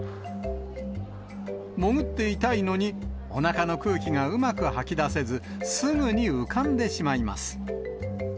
潜っていたいのに、おなかの空気がうまく吐き出せず、すぐに浮かんでしまいます。